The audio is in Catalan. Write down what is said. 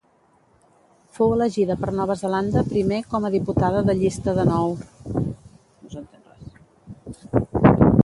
Fou elegida per Nova Zelanda Primer com a diputada de llista de nou.